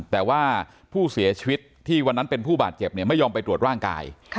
แต่ว่าผู้เสียชีวิตที่วันนั้นเป็นผู้บาดเจ็บเนี่ยไม่ยอมไปตรวจร่างกาย